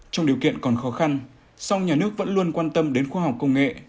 trong điều kiện còn khó khăn song nhà nước vẫn luôn quan tâm đến khoa học công nghệ